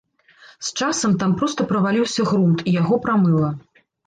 З часам там проста праваліўся грунт, і яго прамыла.